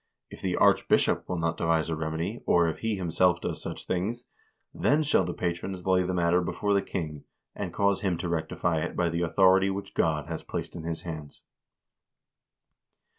If the archbishop will not devise a remedy, or KING SVERRE AND POPE INNOCENT III 403 if he himself does such things, then shall the patrons lay the matter before the king, and cause him to rectify it by the authority which God has placed in his hands.'